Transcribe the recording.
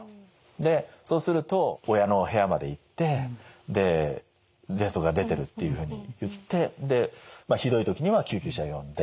でそうすると親の部屋まで行ってで「ぜんそくが出てる」っていうふうに言ってでまあひどい時には救急車呼んでとか。